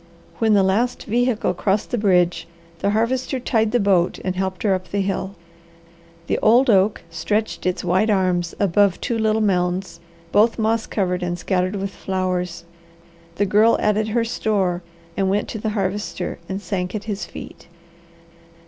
When the last vehicle crossed the bridge, the Harvester tied the boat and helped her up the hill. The old oak stretched its wide arms above two little mounds, both moss covered and scattered with flowers. The Girl added her store and then went to the Harvester, and sank at his feet.